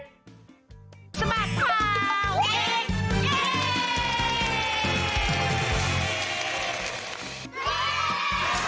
เย้